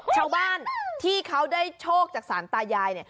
ชาวบ้านที่เขาได้โชคจากสารตายาย